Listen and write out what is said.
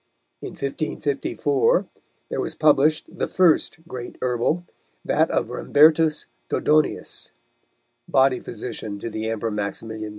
In 1554 there was published the first great Herbal, that of Rembertus Dodonaeus, body physician to the Emperor Maximilian II.